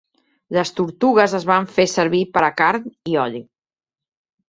Les tortugues es van fer servir per a carn i oli.